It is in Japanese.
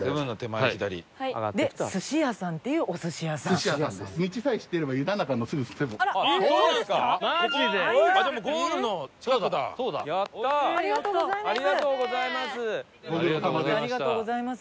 ありがとうございます。